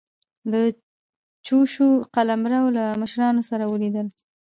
د چوشو قلمرو له مشرانو سره ولیدل.